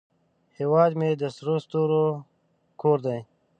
هیواد مې د سرو ستورو کور دی